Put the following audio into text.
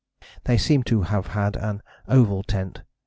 They seem to have had an oval tent.